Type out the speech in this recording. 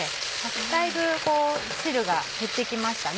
だいぶ汁が減って来ましたね。